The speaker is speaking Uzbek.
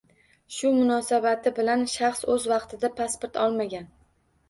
Shu munosabati bilan shaxs oʻz vaqtida pasport olmagan